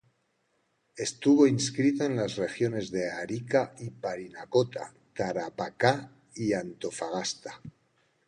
Estuvo inscrito en las regiones de Arica y Parinacota, Tarapacá y Antofagasta.